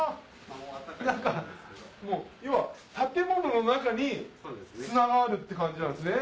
何かもう要は建物の中に砂があるって感じなんですね。